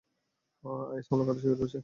Is হামালার কথা স্বীকার করেছে।